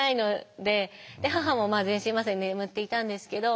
で母も全身麻酔で眠っていたんですけど。